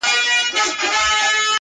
رمې څنګه دلته پايي وطن ډک دی د لېوانو٫